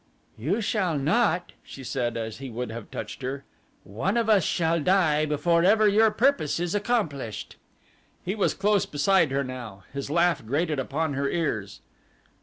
"You shall not!" she said as he would have touched her. "One of us shall die before ever your purpose is accomplished." He was close beside her now. His laugh grated upon her ears.